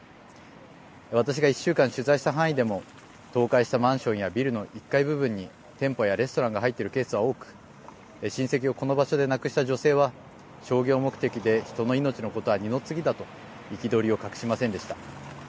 私が１週間取材した範囲でも倒壊したマンションやビルの１階部分に店舗やレストランが入っているケースは多く親戚をこの場所で亡くした女性は商業目的で人の命のことは二の次だと憤りを隠しませんでした。